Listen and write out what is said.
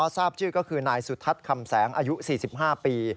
ทราบชื่อก็คือนายสุทัศน์คำแสงอายุ๔๕ปี